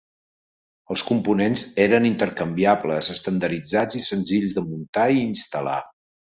Els components eren intercanviables, estandarditzats i senzills de muntar i instal·lar.